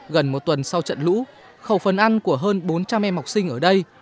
gần một tuần sau trận lũ khẩu phần ăn của hơn bốn trăm linh em học sinh ở đây